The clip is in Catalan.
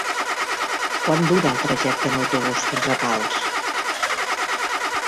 Quant dura el trajecte en autobús fins a Pals?